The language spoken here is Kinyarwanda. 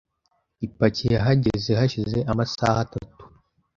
Ipaki yahageze hashize amasaha atatu .